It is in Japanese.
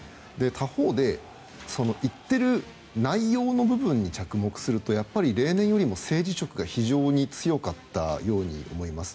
他方で、言っている内容の部分に着目すると、やっぱり例年よりも政治色が非常に強かったように思います。